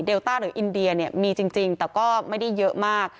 ต้าหรืออินเดียเนี่ยมีจริงแต่ก็ไม่ได้เยอะมาก